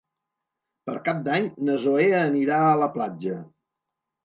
Per Cap d'Any na Zoè anirà a la platja.